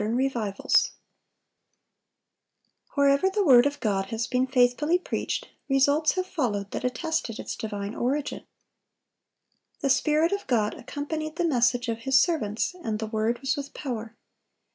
] Wherever the word of God has been faithfully preached, results have followed that attested its divine origin. The Spirit of God accompanied the message of His servants, and the word was with power.